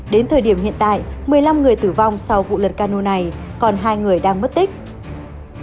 đến thời điểm hiện tại một mươi năm người tử vong sau vụ lật cano này còn hai người đang mất tích